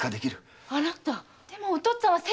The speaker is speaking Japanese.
でもお父っつぁんは。